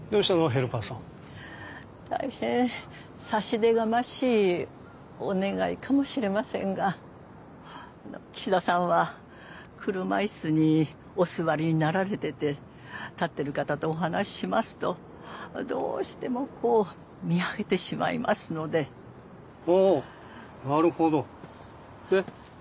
ヘルパーさん大変差し出がましいお願いかもしれませんが岸田さんは車椅子にお座りになられてて立ってる方とお話しますとどうしてもこう見上げてしまいますのでああーなるほどで？